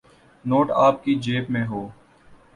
Note آپ کی جیب میں ہوں۔